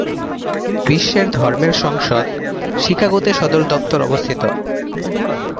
বিশ্বের ধর্মের সংসদ শিকাগোতে সদর দপ্তর অবস্থিত।